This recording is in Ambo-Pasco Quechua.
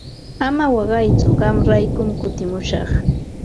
Ama waqaytsu qamraykum kutimushaq.